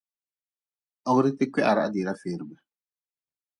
Hogdte kwiharah dira feerbe.